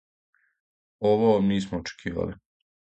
Ово нисмо очекивали.